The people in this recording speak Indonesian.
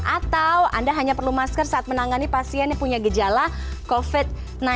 atau anda hanya perlu masker saat menangani pasien yang punya gejala covid sembilan belas